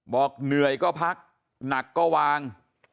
บอกเหนื่อยก็พักหนักก็วาง